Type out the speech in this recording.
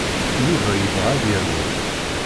Yuba yebɣa ad yerwel.